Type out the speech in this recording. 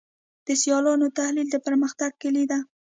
د سیالانو تحلیل د پرمختګ کلي ده.